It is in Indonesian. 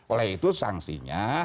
oleh itu sangsinya